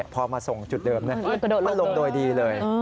พอมาส่งจุดเดิมมาลงโดยดีเลย